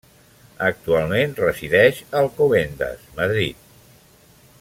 Actualment resideix a Alcobendas, Madrid.